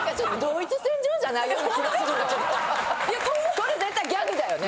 これ絶対ギャグだよね！